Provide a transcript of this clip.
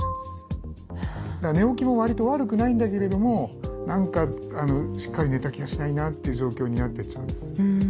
だから寝起きもわりと悪くないんだけれども何かしっかり寝た気がしないなという状況になってっちゃうんです。